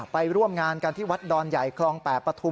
ไปร่วมงานกันที่วัดดอนใหญ่คลอง๘ปฐุม